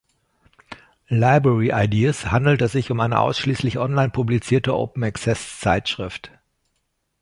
Library Ideas" handelt es sich um eine ausschließlich online publizierte Open-Access-Zeitschrift.